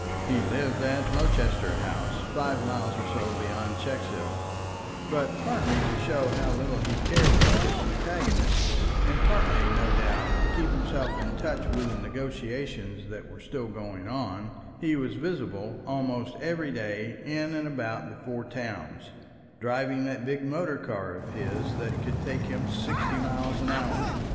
He lived at Lowchester House, five miles or so beyond Checkshill; but partly to show how little he cared for his antagonists, and partly no doubt to keep himself in touch with the negotiations that were still going on, he was visible almost every day in and about the Four Towns, driving that big motor car of his that could take him sixty miles an hour.